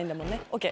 ＯＫ